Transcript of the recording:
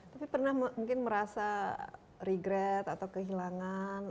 tapi pernah mungkin merasa regret atau kehilangan